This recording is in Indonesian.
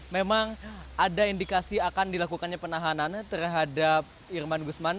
memang ada indikasi akan dilakukannya penahanan terhadap irman gusman